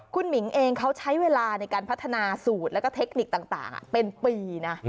คุณหมิงเองเขาใช้เวลาในการพัฒนาสูตรแล้วก็เทคนิคต่างเป็นปีนะ